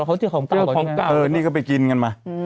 แล้วเขาเจอของเก่าเออนี่ก็ไปกินกันมา